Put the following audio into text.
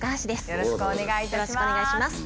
よろしくお願いします。